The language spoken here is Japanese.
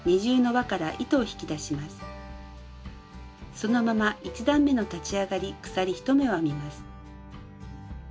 そのまま１段めの立ち上がり鎖１目を編みます。